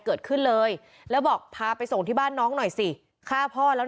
เกิดขึ้นเลยแล้วบอกพาไปส่งที่บ้านน้องหน่อยสิฆ่าพ่อแล้ว